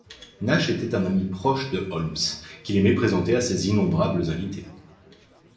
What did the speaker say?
Nash était un ami proche de Holmes qu'il aimait présenter à ses innombrables invités.